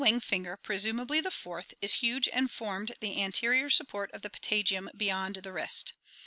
The single wing finger, presumably the fourth, is huge and formed the entire anterior support of the patagium beyond the wrist.